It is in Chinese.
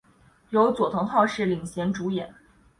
由佐藤浩市领衔主演。